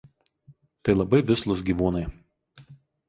Tai labai vislūs gyvūnai.